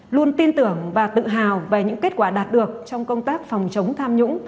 luôn tin tưởng và tự hào về những kết quả đạt được trong công tác phòng chống tham nhũng